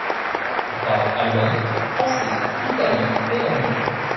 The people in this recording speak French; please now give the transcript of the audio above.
Il parle albanais, français, italien et anglais.